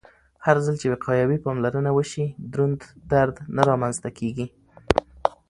هرځل چې وقایوي پاملرنه وشي، دروند درد نه رامنځته کېږي.